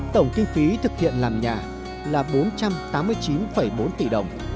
tổng kinh phí thực hiện làm nhà là bốn trăm tám mươi chín bốn tỷ đồng